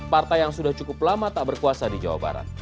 partai yang sudah cukup lama tak berkuasa di jawa barat